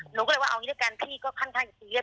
หนูก็เลยว่าเอางี้ละกันพี่ก็ค่อนข้างจะซีเรียส